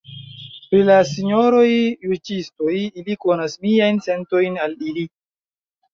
Pri la sinjoroj juĝistoj, ili konas miajn sentojn al ili.